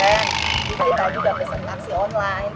ben kiki tadi udah pesen taksi online